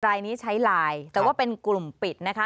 รายนี้ใช้ไลน์แต่ว่าเป็นกลุ่มปิดนะคะ